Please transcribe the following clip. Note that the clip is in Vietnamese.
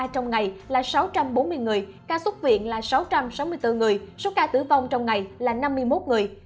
trong ngày là sáu trăm bốn mươi người ca xuất viện là sáu trăm sáu mươi bốn người số ca tử vong trong ngày là năm mươi một người